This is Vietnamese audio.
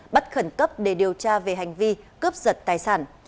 bắt khẩn cấp để điều tra về hành vi cướp giật tài sản